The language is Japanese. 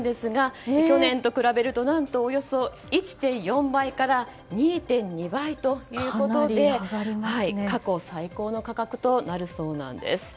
去年と比べるとおよそ１．４倍から２．２倍ということで過去最高の価格となるそうです。